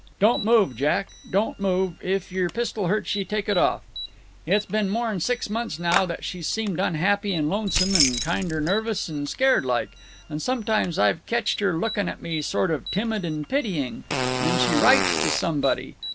Don't move, Jack; don't move; if your pistol hurts ye, take it off. "It's been more'n six months now that she's seemed unhappy and lonesome, and kinder nervous and scared like. And sometimes I've ketched her lookin' at me sort of timid and pitying. And she writes to somebody.